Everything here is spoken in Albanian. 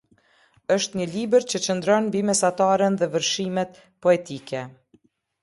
Është një libër që qëndron mbi mesataren dhe vërshimet poetike.